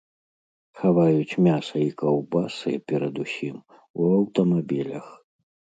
Хаваюць мяса і каўбасы, перадусім, у аўтамабілях.